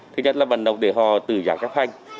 thứ nhất là vận động để họ tự giác chấp hành